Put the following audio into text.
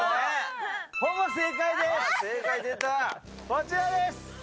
こちらです！